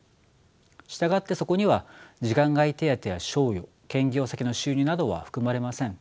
従ってそこには時間外手当や賞与兼業先の収入などは含まれません。